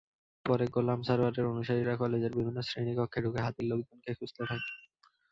পরে গোলাম সারোয়ারের অনুসারীরা কলেজের বিভিন্ন শ্রেণিকক্ষে ঢুকে হাদির লোকজনকে খুঁজতে থাকে।